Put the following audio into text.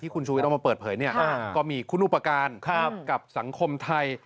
คุณชูวิทยเอามาเปิดเผยก็มีคุณอุปการณ์กับสังคมไทย